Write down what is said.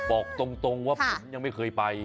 บอกตรงว่าผมยังไม่เคยไป